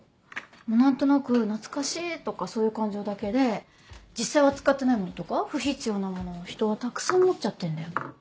何となく懐かしいとかそういう感情だけで実際は使ってないものとか不必要なものを人はたくさん持っちゃってんだよ。